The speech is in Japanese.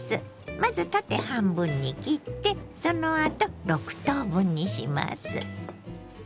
まず縦半分に切ってそのあと６等分にします。